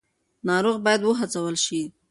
ناروغ باید وهڅول شي.